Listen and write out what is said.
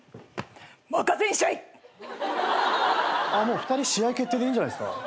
もう２人試合決定でいいんじゃないですか？